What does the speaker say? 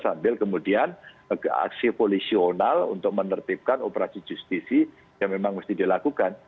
sambil kemudian ke aksi polisional untuk menertibkan operasi justisi yang memang mesti dilakukan